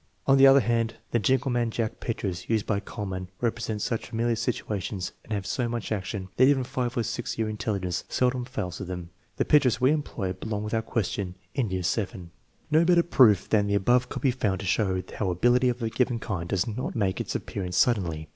On the other hand, the Jingleman Jack pictures used by Kuhl mann represent such familiar situations and have so much action that even 5 or 6 year intelligence seldom fails with them. The pictures Ve employ belong without question in year VII. No better proof than the above could be found to show how ability of a given kind does not make its appearance suddenly.